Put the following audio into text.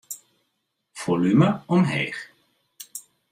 Folume omheech.